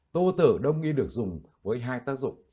tô tử đồng nghĩa được dùng với hai tác dụng